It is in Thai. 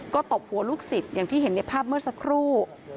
ก็ตบหัวลูกศิษย์อย่างที่เห็นในภาพเมื่อสักครู่